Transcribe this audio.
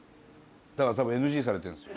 だから多分ＮＧにされてるんです。